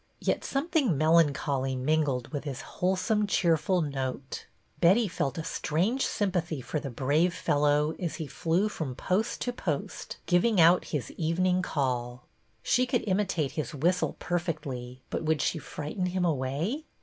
Yet some thing melancholy mingled with his wholesome, cheerful note. Betty felt a strange sympathy for the brave fellow as he flew from post to post, giving out his evening call. She could imitate his whistle perfectly, but would she frighten him away?